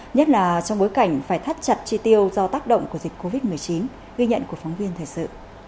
nhất là trong bối cảnh phải thắt chặt chi tiêu do tác động của dịch covid một mươi chín ghi nhận của phóng viên thời sự